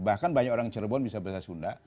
bahkan banyak orang cirebon bisa bahasa sunda